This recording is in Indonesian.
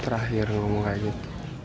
terakhir ngomong kayak gitu